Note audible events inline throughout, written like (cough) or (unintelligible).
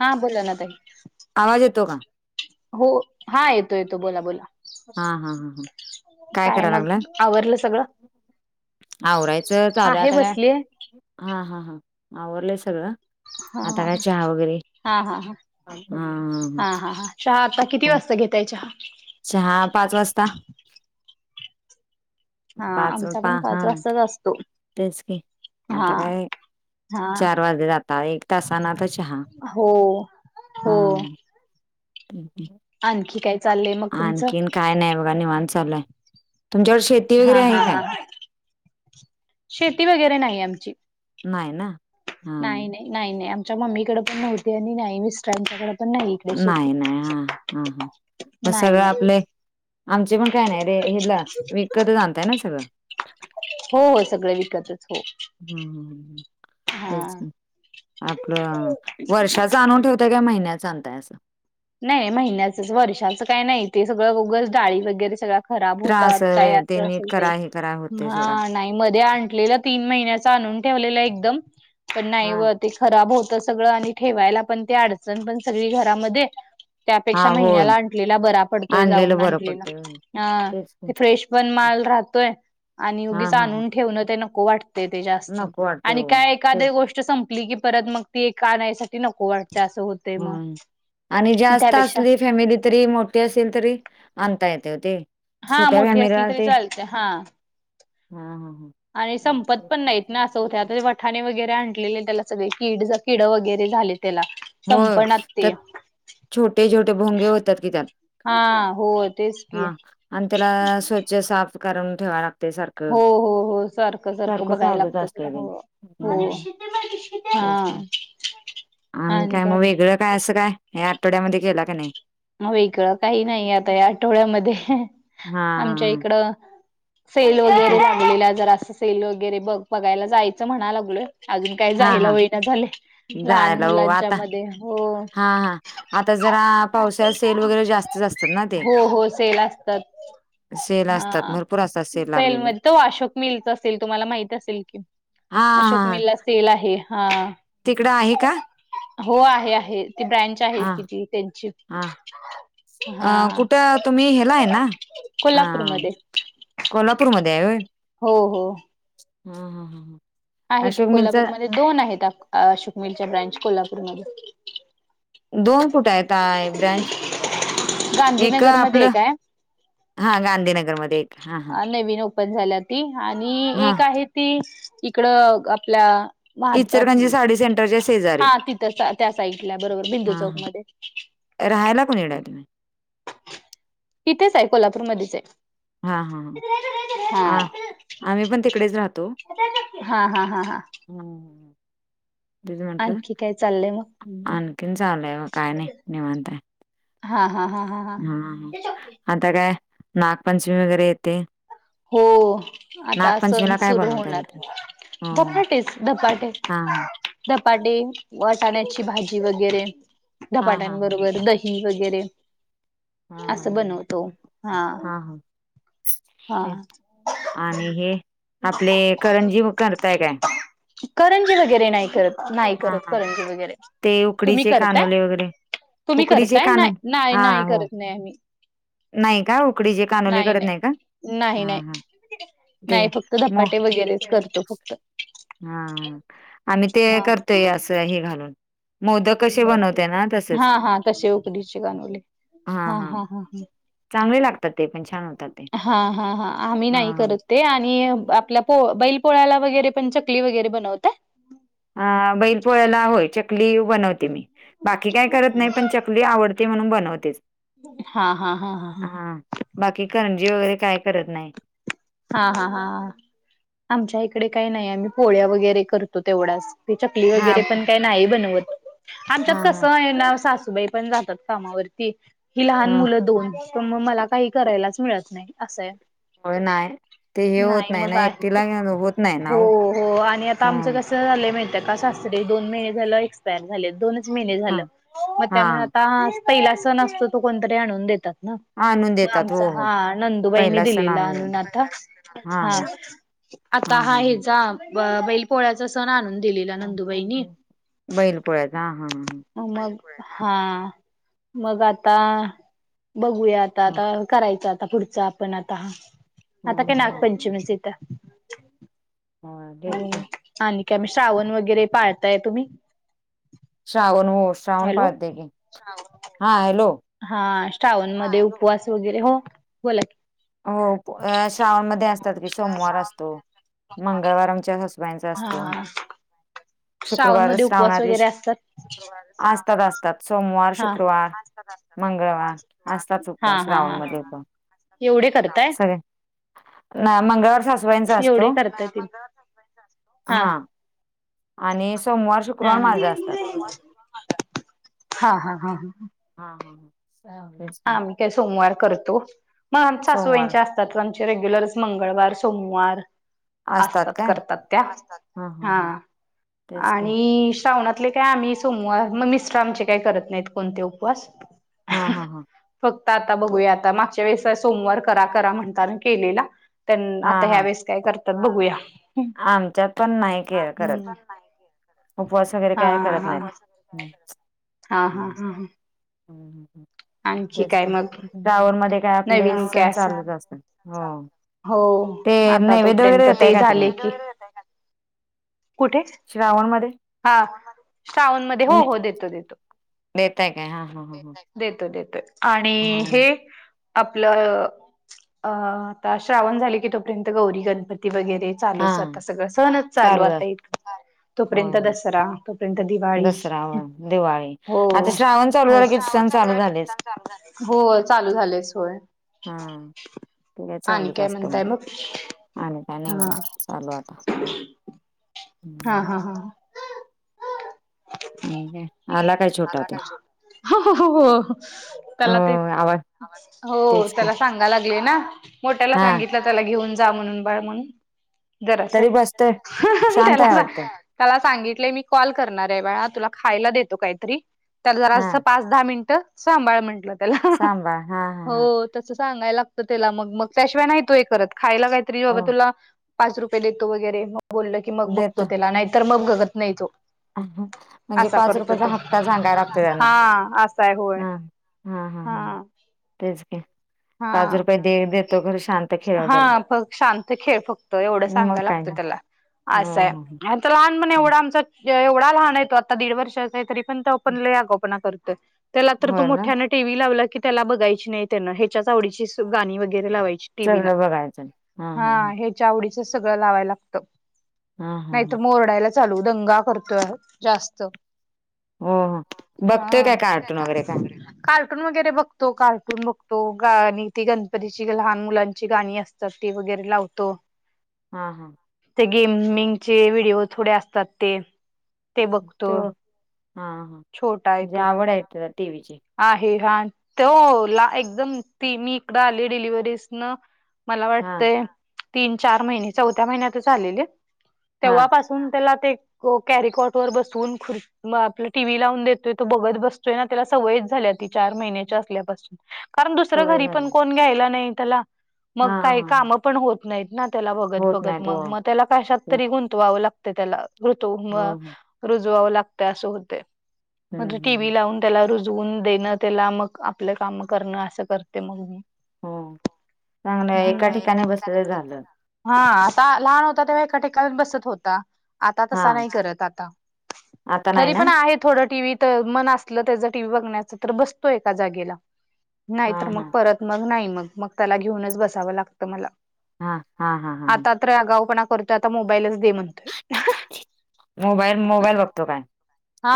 हा बोला ना ताई आवाज येतो का हो हा येतो येतो बोला बोला! हा हा हा हा (unintelligible) काय कराय मग लागलाय आवरलं सगळ? आवरायचं चालू आता काय हा हा हा आवरलंय सगळं! हा आता काय चहा वगैरे हा हा हा हा हं! हा हा हा चहा आता किती वाजता घेताय चहा! चहा पाच वाजता! हा पाच आमचा पा पण हा पाच वाजताच असतो तेच की हा आता काय! हा चार वाजलेत आता एक तासाना तर चहा हो हो हम! ह (unintelligible) (inaudible) आणखी काही! आणखीन काय नाही बघा निवांत चालु आहे. तुमच्याकडे शेती हा वगैरे हा आहे काय हा (unintelligible) शेती वगैरे नाही आमची! नाही ना! हा नाही ना नाही नाही आमच्या मम्मीकडे पण नव्हती, आणि नाही मिस्टरांच्याकड नाही नाही हा हा ह नाही सगळं नाही आपल! आमची पण काय नाही रे हेल विकत आणताय ना सगळं! हो हो सगळं विकतच हो! हम् हम ह ह! हा तेच आपलं वर्षाच आणून ठेवताय का महिन्याच आणताय असं! नाही महिन्याचंच वर्षाचं काही नाही ते सगळं उगच डाळी वगैरे सगळं! खराब होता. त त्रास काय व्हय अस अस नीट ते करा हे करा होतय सोडा हा नाही मध्ये आणलेलं! तीन महिन्याचा आणून ठेवलेला एकदम पण नाही हा वहत. ते खराब होतं सगळं आणि ठेवायला पण ते अडचण पण सगळी घरामध्ये! हा त्यापेक्षा होय महिन्याला आणलेला बरा पडतोय आणलेलं जाऊन बरं आणलेला, पडतय होय. अ तेच की ते फ्रेश पण माल राहतोय आणि हा उगीच हा आणून ठेवणं ते नको वाटत. ते जास्त नको वाटतय आणि ओ काय (inaudible) एखादी तेच गोष्ट संपली की परत मग ती एक आणायसाठी नको वाटते असं होतंय मग होय. आणि जास्त त्यापेक्षा असली फॅमिली तरी मोठी असेल तरी आणता ओ येते ते! हा छोट्या मोठी असली फॅमिलीला तरी ते चालत्या हा हा हा हा! आणि संपत पण नाहीत ना असं होतं आता वठाणे वगैरे आणलेले त्याला सगळे कीड किड वगैरे झाले! त्याला होय संपनातं त्यात ते छोटे छोटे भोंगे होतात की त्यात, हा हो तेच (inaudible) की हा आणि त्याला स्वच्छ साफ करून ठेवा लाग ते सारखं हो हो हो सारखं सारखं बघाय चालूच लागतं त्या ला असतंय बाई हो हम्म हो हम्म हा तेच की. आणि म काय मग वेगळं काय असं काय हे आठवड्यामध्ये केला का नाही. ह वेगळं काही नाही आता या आठवड्यामध्ये, आमच्या हा इकडं सेल ते वगैरे लागलेला, जर असं सेल वगैरे ब बघायला जायचं म्हणाला लागलोय अजून काय हा जायला हा होईना ना झालय लहान जायला हो मुलांच्या आता मध्ये हो हा हा आता जरा पावसाळयात सेल वगैरे जास्त जास्त असत ना. ते. हो हो सेल असतात सेल असतात हा भरपूर असतात सेल लागलेले म्हणज तो अशोक मिलच असेल तुम्हाला माहित असेल कि, हा हा. असेल आहे हा. तिकडं आहे का? हो आहे आहे ती ब्रँच आहे हा किती त्यांची हा अ हा कुठे तुम्ही हेलाय ना? अ कोल्हापूरमध्ये कोल्हापूरमध्येध्ये आहे होय. हो हो हम आहे की कोल्हापूरमध्ये दोन आहेत शुकमिलच्या ब्रांच कोल्हापूरमध्ये. दोन फुट आहेतय ब्रांच एक गांधीनगरमध्ये आपलं एक आहे हा गांधीनगरमध्ये. हां, हां. नवीन ओपन झाल्या ती आणि हां, एक आहे ती इकड आपल्या वा इचलकरंजी साडी सेंटरच्या शेजारी. हा तिथं त्या साईडला बरोबर बिंदू हां, चौक हां. मध्ये राहायला कोण येणार तुम्ही? तिथेच आहे कोल्हापूरमध्येच आहे. हां हां हां आ हा आम्ही पण तिकडेच राहतो. हा हा हा हा हम्म ह तथ म्हंटलं आणखी काय चाललंय मग आणखीन चाललंय काय नाही निवांत हाय. हा हा हा हा ह आता काय नागपंचमी वगैरे येते. हो आता सण नागपंचमीला काय सुरू बनवता होणार. तिथं? हं. दपाटेच दपाटे. हां, हां. झधपाटे वाटाण्याची भाजी वगैरे हां, हां, हां, धपाट्यांबरोबर दही वगैरे हा हा असं ह बनवतो हा हा हा आणि हे आपले करंजी करताय काय? करंजी वगैरे नाही करत नाही हां, करत हां. करंजी वगैरे, ते तुम्ही उकडीचे करताय? कानोले वगैरे तुम्ही उकडीचे करताय, नाही कानोले नाही नाही करत नाही आम्ही. नाहीं कां उकडीचे कानोले करत नाही कां? नाहीं नाहीं नाहीं फक्तं मो धपाटे वगैरेंच करतों फक्तं हा आम्हीं ते करतोयं असं घालून मोदक- कशे बनवतां ना तसंच हा हा तसे उकडीचे कानवले हां हा हां हा हा चांगले लागतात ते पण छान. होतात ते हा हा हा आम्ही नाही करत. हा ते आणि आपल्या पो बैल पोळ्याला वगैरे पण चकली वगैरे बनवतय? अ बैल पोळ्याला होय चकली बनवते मी बाकी काय करत नाही पण चक चकली आवडते म्हणून बनवतेच. हां हां हां हां हां हा बाकी करंजी वगैरें कायं करतं नाहीं. हां हां हां हां आमच्या ईकडे कांहीं नाहीं आम्हीं पोळ्या वगैरें करतों तेवढ्याच चकली हा हा वगैरे पणं कांहीं नाहीं बनवंत आमच्यांत हा कसं आहे नां सासूबाई ते पणं जातांत कामावरती ही लहान हा मुलं दोन तरं मगं मला कांहीं करायलांच मिळतं नाहीं असं आहे. होय नांय. नाहीं मगं आत नाही ना हो हो आणि आता आमचं हं कसं आताझाले माहित आहे कां सासरे दोन महिने झाले एस्कप्रायर झाले दोनंच दोन नचं महिने हा झालं मगं हा त्यामुळें आता पैहीला संण असतों तो कोणतरी आणून देतात नां. आणून मगं देतात हो आमचा हो हा नंदु बाईंनी पहिला सण दिलेला आणून देतात आणूंन आता हा हां हा हा आता हां हा हा हीचा बैईल पोळ्यांचा संण आणून दिलेला नंदु बाईंनी बैलपोळ्यांचा हं हां हं हं मगं हां मगं आता बघूया आता हा आता करायचं आता पुढचं आपणं आता आता कायं हा नागपंचमीच इथं हा हो देत की आणि कायं मं श्रावण वगैरें पाळतांय तुम्हीं श्रावण हो श्रावण हॅलो पाळते की हां हॅलो हां श्रावण मध्यें उपवास वगैरें हो बोलाकी हो श्रावण मंध्यें असतांत की सोमवार असतों मंगळवार आमच्या यांनां असतों बाईचां हा असतों हा श्रावण शुक्रवार मध्ये उपवास श्रावणांतले वगैरे असतात असतांत असतांत सोमवार हा शुक्रवार मंगळवार असतंच उपवास श्रावण मध्यें पणं एवढी करतांत मंगळवार सासुवाईंचा एवढे असतों करताय ते हा हां आणि सोमवार शुक्रवार माझ्यां असतांत हां हां हां हां हां हां (unintelligible) हच सोमवार करतो मगं सोमवार सासूबाईंच्या त्या आमचे रेग्युलर मंगळवार सोमवार असतात असतांत काय करतांत त्यां हा हा हा. हां तेच की. आणि श्रावणांत कायं आम्हीं सोमवार मगं मिस्टर आमचे कांहीं करतं नाहीत कोणते उपवास हां हां हां फक्तं आता बघूया आता मागच्यां वेळेस सोमवार करा करा म्हणता नां केलेनं त्यां पणं आता ह्यावेेळेसं कायं करतांत बघूयां हां आमच्यांत पणं नाहीं के करतं उपवास वगैरे हा कायं हा करतं हा नाहीतं हा हा हा ह आणखी काय तेचं मग न गांवामंध्ये कायं आपले नवीन सण काय असं चालतं असतांत हो हो ते आता नैवेद वगैरें तोपर्यंत देतां ते कायं तुम्हीं झाले की कुठे श्रावण मंध्यें हा श्रावण मंध्यें हो हो देतो देतो नेताय कायं हां हां हं हं देतो देतोय आणि हे आपलं अ आता श्रावण झाले की तोपर्यंत गौरी गणपती वगैरे चालूचं हा आता सगळं सणंच चालू आता एक होय तोंपर्यंत होय. दसरा तोपर्यंत दिवाळी दसरा होय, दिवाळी हो आता चालू झाला की श्रावण सण चालू संपला झालेच. की हो चालू झालेचं होय हां ते कां आणि चालूचं काय असतं म्हणताय मग मगं आणि कां नाहीं हा नेऊ चालू आता हा हम्म. हा हा आणि काय आला काही हो हो हो हो त्याला ते आवाज हो तेच की. त्याला सांगा लागले ना मोठ्याला हा सांगितलं त्याला घेऊन जा म्हणून बाळ म्हणून जरा अस तरी बसतोय शांत त्याला आहे जा वाटतंय त्याला सांगितलेय मी कॉल करणार आहे वेळा तुला खायला देतो काहीतरी त्याला जरा हा पा दहा मिनिट सांभळ म्हटलं त्याला सांभाळ हा हा हा. हो तसं सांगायला लागतं त्याला मग मग त्याशिवाय नाही तू हे करत खायला काहीतरी बाबा अ तुला पाच रुपये देतो वगैरे मग बोलल की मग बघतो देतो त्याला नाहीतर मग बगत नाही तो म्हणजे असा पाच करतो रुपयाचा तो हा सांगायला लागते त्यांना हा असा आहे होय ह ह ह हा ह तेच हा पाच रुपये दे देतो खरं शांत खेळव हा त्याला. फक् शांत खेळ फक्त एवढं सांगा लागतं त्याला ह असं ह आहे आता लहान म्हण एवढा आमचा एवढा लहान आहेेतो आता दीड वर्ष अस आहे तरी तो पण लय आगाव पणा करतोय त्याला तर होय ना. मोठ्यानं टी व्ही लावल्याने पाहिजे. आवडीची गाणी वगैरे लावायची. सगळं बघायचं हा हा ह. व स ला ला हा हा हा नाही. चालू दंगा करतोय जास्त. हो हो बघतोय हा काय काय आटून वगैरे काय. कार्टून वगैरे बघतो कार्टून बघतो. तो गाणी ती गणपतीची लहान मुलांची गाणी असतात ती वगैरे लावतो. हां हां. ते गेमिंगचे व्हिडिओ थोडे असतात ते ते बघतो. तो हा हा छोटा आहे म्हण जे तो आवड आहे त टी वची. आहे हा तो ला एकदम ती मी इकड आली डिलिव्हरीजन. मला हा वाटते तीन चार महिने चौथ्या महिन्यात झालेले हा तेव्हापून तून त्याला ते. कॅरीकॉट वर बसवून खुर् आपला टीव्ही लावून देतोय तो बघत बसतोय ना त्याला. सवय झाल्या त चार महिन्याच्या असल्यापासून कारण दुसर सवय घरी झाली पण कोण घ्यायला नाही त्याला. मग हा काही हा काम पण होत नाहीत ना त्याला बघत होत बघत नाही तो मग मग त्याला कशात हो तरी गु तवावं लागत त्याला ऋतू हो रुजवावं लागत असं होते. हम्म म्हणजे टी हम्म व्ही लावून त्याला र जून देणं त्याला मग आपलं काम करणं असं करते मग मी. हो चांगलं एका हम्म. ठिकाणी बसच झालं. हा आता लहान होता तेव्हा एका ठेिकाणी बसत होता. आता हा तसा नाही करत आता आता नाही तरी ना पण आहे थोडं टी व्ही तर मन असलं त्याच ब बतो एला नाही हा मग हा परत. मग नाही मग मग त्याला घेऊनच बसावं लागतं मला. हां हां हां हां हां. अगावपणा करतोय आता मोबाईलच दे म्हणतोय. मोबाईल मोबाईल बघतो. काय? हा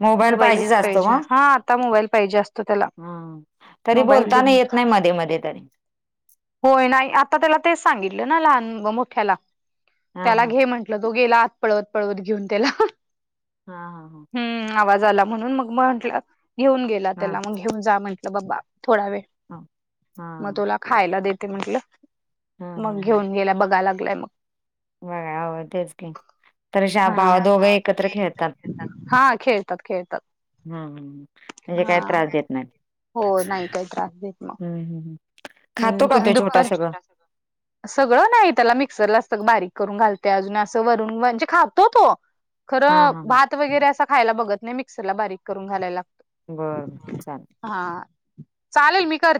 मोबाईल पाहिजे. मोबाईलच जा असत म हा आता मोबाईल पाहिजे असतो त्याला ह तरी मोबाईल बोलता. दे येत म्हणतो नाही मध्ये मध्ये तरी. होय नाही आता त्याला ते सांगितलं ना लहान व मोठ्याला. हा त्याला हा घे म्हंटलं तो गेला आत पळवत पळवत घेऊन त्याला. हा हा हा. हम् आवाज आला म्हणून मग म्हटला घेऊन गेला हा त्याला मग घेऊन जा म्हटलं. बाबा थोडा वेळ हा हा मग तुला खायला देते म्हंटलं. हा हा मग हा. घेऊन गेला. बघा लागलाय. मग. बघा ह. तेच की. तर अशा भावा दोघं हा. एकत्र खेळतात खेळतात. खेळतात. म्हणजे हा काय त्रास देत नाही. हो नाही. काही त्रास देत मग खातो हम् का तुम्ही तो छोटा सगळं दुप्पछट सगळ. सगळं नाही त्याला मिक्सरला असतं. बारीक करून घालते. अजून असं वरून म्हणजे. खातो तो. हा खरं हा भात वगैरे असं खायला. बघत नाही मिक्सरला बारीक करून घालायला लागतो. बरं बर चालेल. हा. चालेल मी करते.